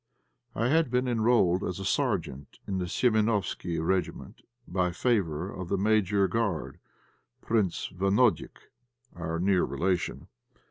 I had been enrolled as sergeant in the Séménofsky regiment by favour of the major of the Guard, Prince Banojik, our near relation.